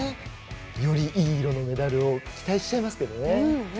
より、いい色のメダルを期待しちゃいますね。